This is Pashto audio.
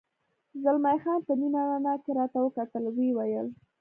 زلمی خان په نیمه رڼا کې راته وکتل، ویې ویل.